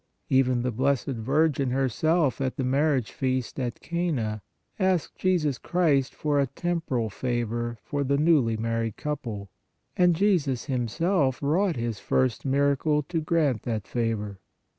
Even the Blessed Virgin herself at the marriage feast at Cana asked Jesus Christ for a temporal favor for the newly married couple, and Jesus Himself wrought His first miracle to grant that favor.